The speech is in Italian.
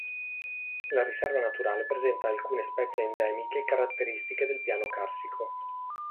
La riserva naturale presenta alcune specie endemiche caratteristiche del piano carsico.